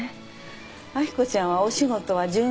明子ちゃんはお仕事は順調？